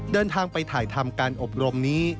เดินทางไปถ่ายทำการอบรมนี้